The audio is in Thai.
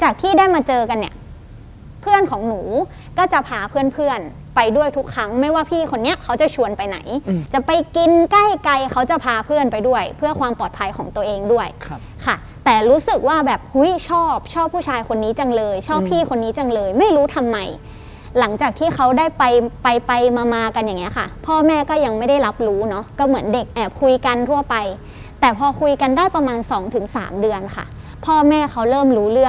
ของหนูก็จะพาเพื่อนไปด้วยทุกครั้งไม่ว่าพี่คนนี้เขาจะชวนไปไหนจะไปกินใกล้เขาจะพาเพื่อนไปด้วยเพื่อความปลอดภัยของตัวเองด้วยค่ะแต่รู้สึกว่าแบบหุ้ยชอบชอบผู้ชายคนนี้จังเลยชอบพี่คนนี้จังเลยไม่รู้ทำไมหลังจากที่เขาได้ไปไปไปมามากันอย่างนี้ค่ะพ่อแม่ก็ยังไม่ได้รับรู้เนาะก็เหมือนเด็กแอบคุยกันทั่วไปแต่พอคุ